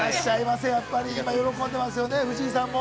今、喜んでますよね、藤井さんも。